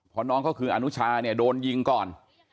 เพราะน้องเขาคืออนุชาเนี่ยโดนยิงก่อน